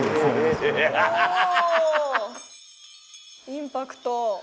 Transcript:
インパクト。